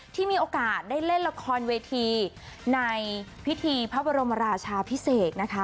ที่มีโอกาสได้เล่นละครเวทีในพิธีพระบรมราชาพิเศษนะคะ